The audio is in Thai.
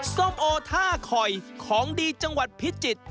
ส้มโอท่าคอยของดีจังหวัดพิจิตร